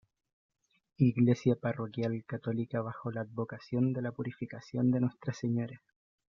Iglesia parroquial católica bajo la advocación de la Purificación de Nuestra Señora.